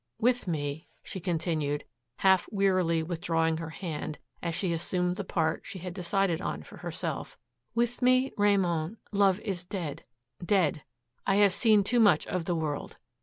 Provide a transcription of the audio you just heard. "With me," she continued, half wearily withdrawing her hand as she assumed the part she had decided on for herself, "with me, Ramon, love is dead dead. I have seen too much of the world.